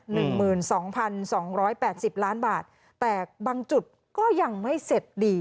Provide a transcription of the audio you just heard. หนึ่งหมื่นสองพันสองร้อยแปดสิบล้านบาทแต่บางจุดก็ยังไม่เสร็จดี